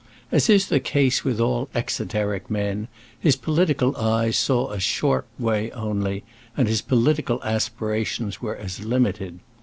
As is the case with all exoteric men, his political eyes saw a short way only, and his political aspirations were as limited.